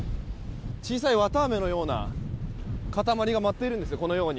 小さい綿あめのような固まりが舞っているんですね。